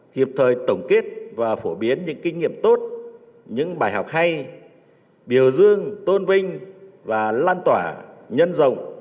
kịp thời tổng kết và phổ biến những kinh nghiệm tốt những bài học hay biểu dương tôn vinh và lan tỏa nhân rộng